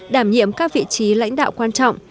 đảm nhiệm các vị trí lãnh đạo quan trọng